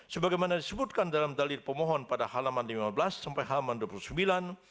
sebagaimana disebutkan dalam dalil pemohon pada halaman lima belas sampai halaman dua puluh sembilan